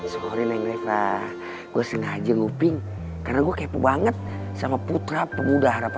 sorry neng neta gue sengaja nguping karena gue kepo banget sama putra pemuda harapan